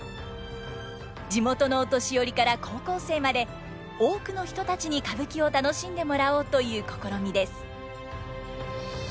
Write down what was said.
地元のお年寄りから高校生まで多くの人たちに歌舞伎を楽しんでもらおうという試みです。